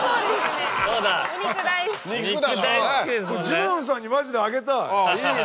ジモンさんにマジであげたい。